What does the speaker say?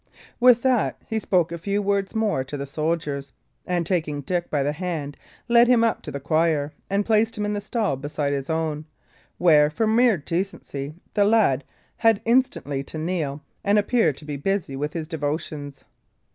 With that, he spoke a few words more to the soldiers, and taking Dick by the hand, led him up to the choir, and placed him in the stall beside his own, where, for mere decency, the lad had instantly to kneel and appear to be busy with his devotions.